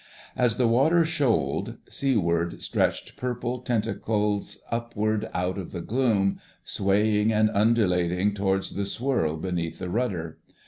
As the water shoaled, seaweed stretched purple tentacles upward out of the gloom, swaying and undulating towards the swirl beneath the rudder.